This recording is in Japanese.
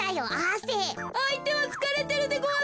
あいてはつかれてるでごわすよ。